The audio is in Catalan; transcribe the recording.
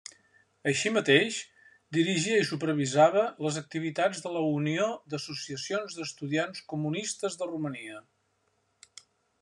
Així mateix, dirigia i supervisava les activitats de la Unió d'Associacions d'Estudiants Comunistes de Romania.